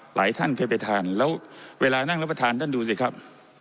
หลายท่านเคยไปทานแล้วเวลานั่งรับประทานท่านดูสิครับ